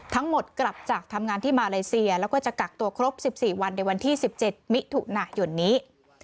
ทั้งหมดกลับจากทำงานที่มาเลเซียแล้วก็จะกักตัวครบ๑๔วันในวันที่๑๗มิถุนายนนี้